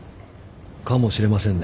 かもしれませんね。